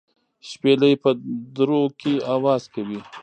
شپېلۍ په درو کې اواز کوي.